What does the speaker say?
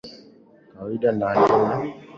kawaida na kwa hivyo bora kutathmini umuhimu wao